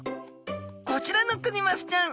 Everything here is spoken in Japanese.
こちらのクニマスちゃん